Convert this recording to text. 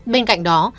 bên cạnh đó